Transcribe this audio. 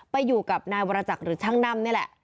ไปอยู่กับนายวรจักรหรือช่างน่ำนี่แหละ